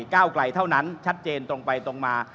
ก้าวไกลเท่านั้นชัดเจนตรงไปตรงมา